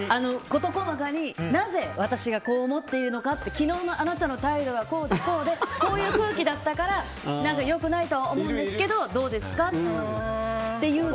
事細かになぜ私がこう思っているのか昨日のあなたの態度はこうで、こうでこういう空気だったから良くないとは思うんですけどどうですかっていう。